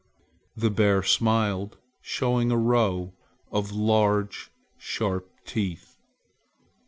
The bear smiled, showing a row of large sharp teeth.